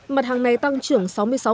mặt hàng này tăng trưởng sáu mươi sáu